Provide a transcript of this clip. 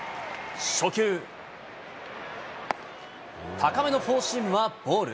初球、高めのフォーシームはボール。